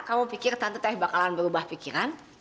kamu pikir tante teh bakalan berubah pikiran